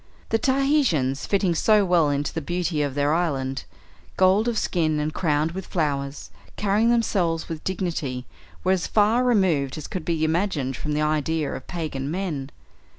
The Tahitians, fitting so well into the beauty of their island, gold of skin and crowned with flowers, carrying themselves with dignity, were as far removed as could be imagined from the idea of pagan men.